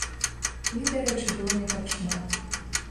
Іх, дарэчы, было не так шмат.